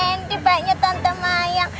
mas rendy baiknya tante maya